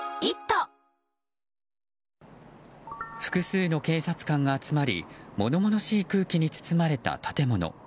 複数の警察官が集まり物々しい空気に包まれた多建物。